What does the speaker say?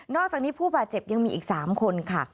อกจากนี้ผู้บาดเจ็บยังมีอีก๓คนค่ะ